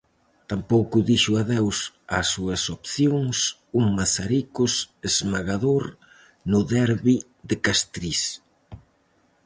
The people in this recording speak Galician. Tampouco dixo adeus ás súas opcións un Mazaricos esmagador no derbi de Castriz.